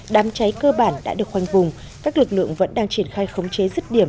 đám cháy cơ bản đã được khoanh vùng các lực lượng vẫn đang triển khai khống chế rứt điểm